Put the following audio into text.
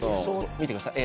見てください。